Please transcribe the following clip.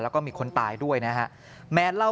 แล้วก็มีคนตายด้วยนะฮะ